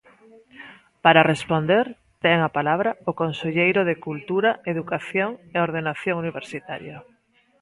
Para responder, ten a palabra o conselleiro de Cultura, Educación e Ordenación Universitaria.